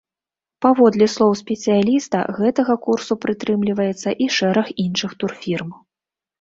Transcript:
Паводле слоў спецыяліста, гэтага курсу прытрымліваецца і шэраг іншых турфірм.